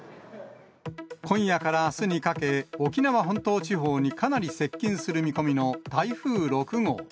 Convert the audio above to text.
今夜からあすにかけ、沖縄本島地方にかなり接近する見込みの台風６号。